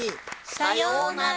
さようなら！